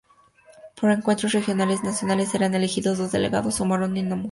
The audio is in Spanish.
Para encuentros regionales nacionales, eran elegidos dos delegados, un varón y una mujer.